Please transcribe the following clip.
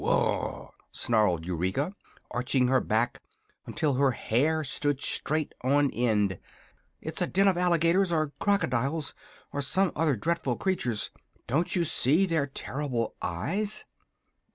"Woogh!" snarled Eureka, arching her back until her hair stood straight on end; "it's a den of alligators, or crocodiles, or some other dreadful creatures! Don't you see their terrible eyes?"